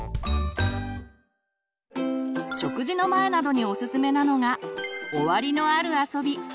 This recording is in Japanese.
食事の前などにおすすめなのが「終わりのある遊び」。